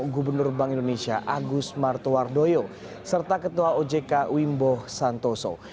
gubernur bank indonesia agus martowardoyo serta ketua ojk wimbo santoso